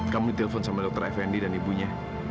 kamu ditelepon sama dokter fnd dan ibunya